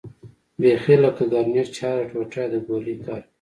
بيخي لکه ګرنېټ چې هره ټوټه يې د ګولۍ کار کوي.